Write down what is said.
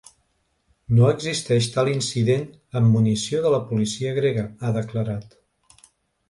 No existeix tal incident amb munició de la policia grega, ha declarat.